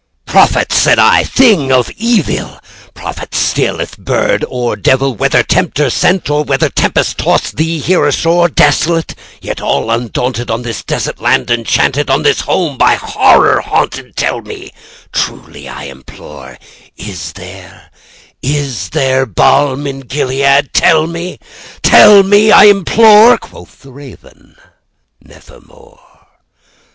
"Prophet!" said I, "thing of evil! prophet still, if bird or devil! Whether Tempter sent, or whether tempest tossed thee here ashore, Desolate yet all undaunted, on this desert land enchanted—On this home by Horror haunted—tell me truly, I implore:Is there—is there balm in Gilead?—tell me—tell me, I implore!"Quoth the Raven, "Nevermore."